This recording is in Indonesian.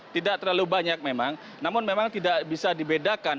tidak terlalu banyak memang namun memang tidak bisa dibedakan